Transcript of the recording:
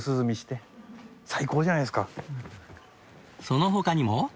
その他にも